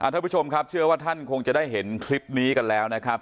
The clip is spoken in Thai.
ท่านผู้ชมครับเชื่อว่าท่านคงจะได้เห็นคลิปนี้กันแล้วนะครับ